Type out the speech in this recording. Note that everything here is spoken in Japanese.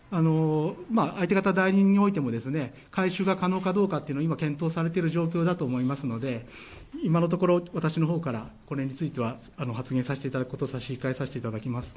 相手方代理人において回収が可能かどうかについて今、検討されている状況だと思いますので今のところ私のほうからこれについては発言させていただくことを差し控えさせていただきます。